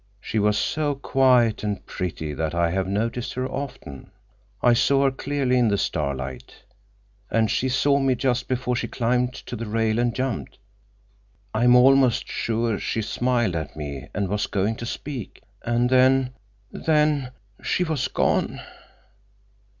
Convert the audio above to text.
"She was so quiet and pretty that I have noticed her often. I saw her clearly in the starlight. And she saw me just before she climbed to the rail and jumped. I'm almost sure she smiled at me and was going to speak. And then—then—she was gone!"